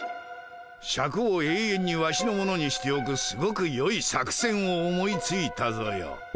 シャクを永遠にワシのものにしておくすごくよい作戦を思いついたぞよ。